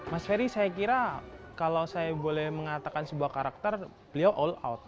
mas ferry saya kira kalau saya boleh mengatakan sebuah karakter beliau all out